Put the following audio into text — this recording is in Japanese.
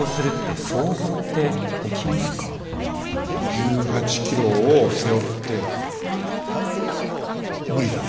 １８ｋｇを背負って無理だね。